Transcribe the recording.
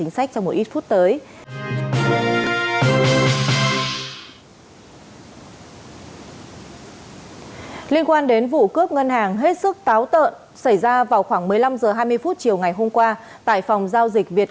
xin chào và hẹn gặp lại